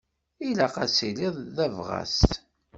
Ilaq ad tiliḍ d abɣas!